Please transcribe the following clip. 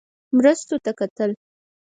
مرستو ته کتل.